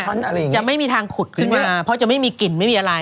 อะไรอย่างนี้จะไม่มีทางขุดขึ้นมาเพราะจะไม่มีกลิ่นไม่มีอะไร